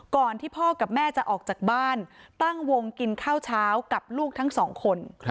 ที่พ่อกับแม่จะออกจากบ้านตั้งวงกินข้าวเช้ากับลูกทั้งสองคน